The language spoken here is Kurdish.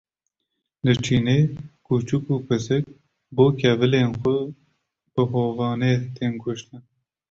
Li Çînê kûçik û pisîk, bo kevilên xwe bi hovane tên kuştin